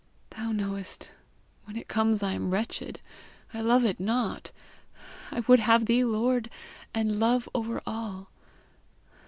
Thou knowest, when it comes I am wretched. I love it not. I would have thee lord and love over all.